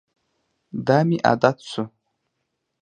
دا مې عادت شو.